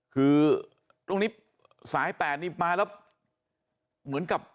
คือตรงนี้สาย๘นี่มาแล้วเหมือนกับ